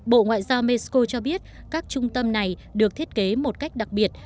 bộ ngoại giao mexico cho biết các trung tâm này được thiết kế một cách đặc biệt